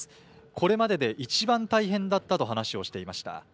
これまでで一番大変だったと話をしていました。